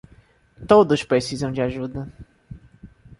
Todos precisam de ajuda